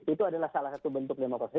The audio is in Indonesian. itu adalah salah satu bentuk demokrasi